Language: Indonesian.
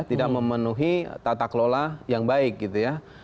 tidak memenuhi tata kelola yang baik gitu ya